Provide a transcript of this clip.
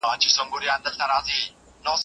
د دين عمل د استقامت پرته نیمګړی دی.